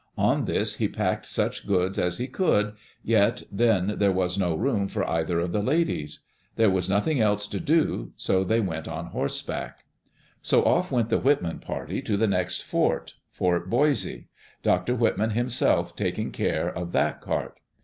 On this he packed such goods as he could, yet then there was no room for either of the ladies. There was nothing else to do, so they went on horseback. Digitized by CjOOQ IC EARLY DAYS IN OLD OREGON So off went the Whitman party to the next fort, Fort Boise, Dr. Whitman himself taking care of that cart.